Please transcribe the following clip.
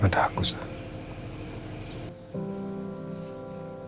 ada aku sah